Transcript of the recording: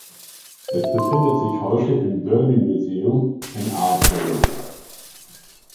Es befindet sich heute im Derby Museum and Art Gallery.